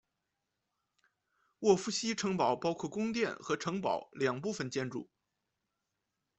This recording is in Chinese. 沃夫西城堡包括宫殿和城堡两部分建筑。